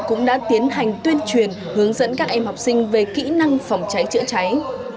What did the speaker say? cũng đã tiến hành tuyên truyền hướng dẫn các em học sinh về kỹ năng phòng cháy chữa cháy